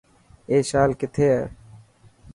اي شال ڪٿي هي.